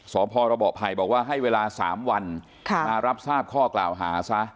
สภาพรบกภัยบอกว่าให้เวลาสามวันคร้าวรับทราบข้อกล่าวหาซะ